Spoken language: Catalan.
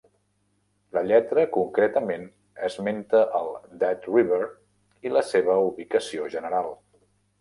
La lletra concretament esmenta el Dead River i la seva ubicació general.